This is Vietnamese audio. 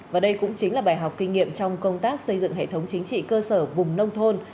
và đây cũng chính là bài học kinh nghiệm trong công tác xây dựng hệ thống chính trị cơ sở vùng nông thôn